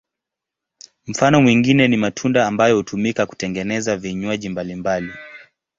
Mfano mwingine ni matunda ambayo hutumika kutengeneza vinywaji mbalimbali.